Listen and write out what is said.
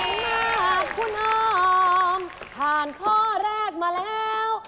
มากคุณอ้อมผ่านข้อแรกมาแล้ว